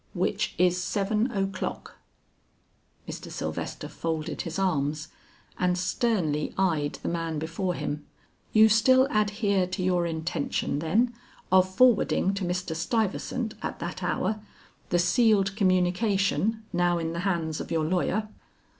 "Which is seven o'clock." Mr. Sylvester folded his arms and sternly eyed the man before him. "You still adhere to your intention, then, of forwarding to Mr. Stuyvesant at that hour, the sealed communication now in the hands of your lawyer?"